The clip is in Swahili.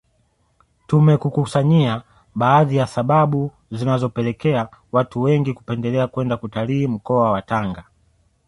Tumekukusanyia baadhi ya sababu zinazopelekea watu wengi kupendelea kwenda kutalii mkoa wa Tanga